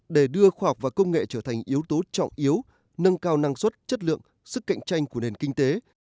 để đưa khoa học và công nghệ trở thành yếu tố trọng yếu nâng cao năng suất chất lượng sức cạnh tranh của nền kinh tế